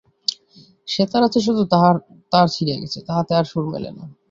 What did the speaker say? সেতার আছে শুধু তাহার তার ছিঁড়িয়া গেছে, তাহাতে আর সুর মেলে না।